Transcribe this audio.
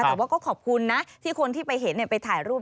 แต่ว่าก็ขอบคุณนะที่คนที่ไปเห็นไปถ่ายรูป